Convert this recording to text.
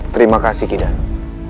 terima kasih kidanu